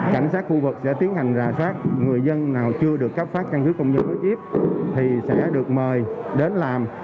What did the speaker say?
cảnh sát khu vực sẽ tiến hành rà soát người dân nào chưa được cấp phát căn cước công dân có chiếm thì sẽ được mời đến làm